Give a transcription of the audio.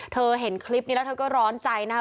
เห็นคลิปนี้แล้วเธอก็ร้อนใจนะครับ